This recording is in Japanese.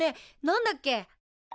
何だっけ？